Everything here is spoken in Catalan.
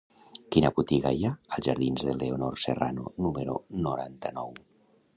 Quina botiga hi ha als jardins de Leonor Serrano número noranta-nou?